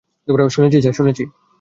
শুনেছি, স্যার।